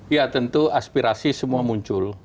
ya tentu aspirasi semua muncul